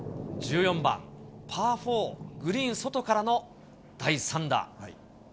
１４番パー４、グリーン外からの第３打。